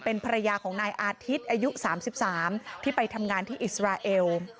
เป็นภรรยาของนายอาทิตย์อายุ๓๓ที่ไปทำงานที่อิสราเอล